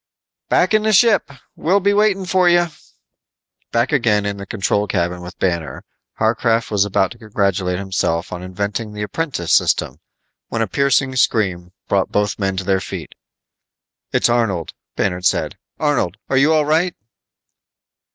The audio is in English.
"Back in the ship. We'll be waiting for you." Back again in the control cabin with Banner, Harcraft was about to congratulate himself on inventing the apprentice system, when a piercing scream brought both men to their feet. "It's Arnold," Banner said. "Arnold, you all right?"